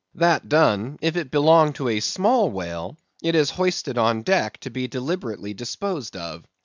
That done, if it belong to a small whale it is hoisted on deck to be deliberately disposed of.